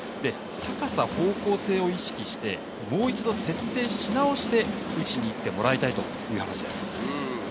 高さ、方向性を意識して、もう一度設定し直して打ちにいってもらいたいという話です。